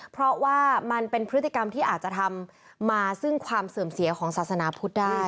เพราะว่ามันเป็นพฤติกรรมที่อาจจะทำมาซึ่งความเสื่อมเสียของศาสนาพุทธได้